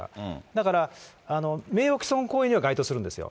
だから、名誉毀損行為には該当するんですよ。